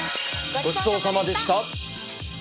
ごちそうさまでした。